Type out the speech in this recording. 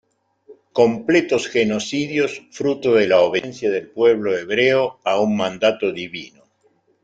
Completos genocidios, fruto de la obediencia del pueblo hebreo a un mandato divino.